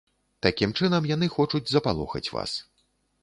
Такім чынам яны хочуць запалохаць вас.